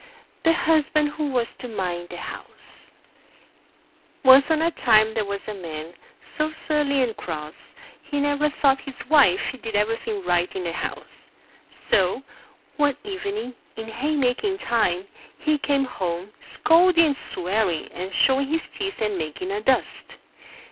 THE HUSBAND WHO WAS TO MIND THE HOUSE Once on a time there was a man, so surly and cross, he never thought his Wife did anything right in the house. So, one evening, in haymaking time, he came home, scolding and swearing, and showing his teeth and making a dust.